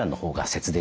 節電。